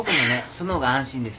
そのほうが安心です。